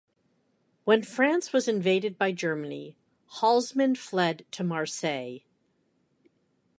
When France was invaded by Germany, Halsman fled to Marseille.